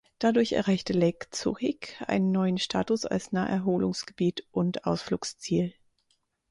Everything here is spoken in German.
Dadurch erreichte Lake Zurich einen neuen Status als Naherholungsgebiet und Ausflugsziel.